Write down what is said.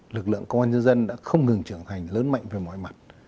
lực lượng công an nhân dân đã không ngừng trưởng thành lớn mạnh về mọi mặt